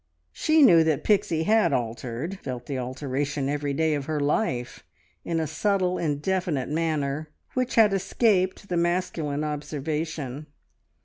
She knew that Pixie had altered, felt the alteration every day of her life, in a subtle, indefinite manner which had escaped the masculine observation.